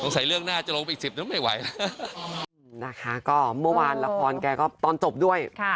ต้องใส่เรื่องหน้าจะลดไปอีก๑๐กิโลไม่ไหว